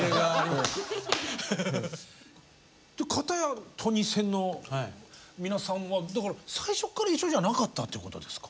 片やトニセンの皆さんはだから最初から一緒じゃなかったってことですか？